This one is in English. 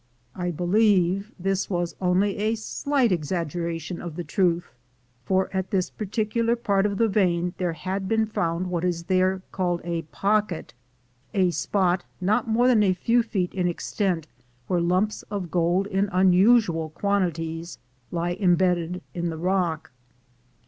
I believe this was only a slight exaggeration of the truth, for at this particular part of the vein there had been found what is there called a "pocket," a spot not more than a few feet in extent, where lumps of gold in unusual quantities lie imbedded in the rock.